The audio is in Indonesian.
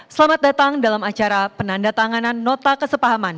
selamat datang dalam acara penandatanganan nota kesepahaman